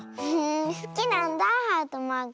すきなんだハートマーク。